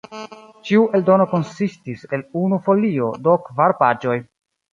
Ĉiu eldono konsistis el unu folio, do kvar paĝoj.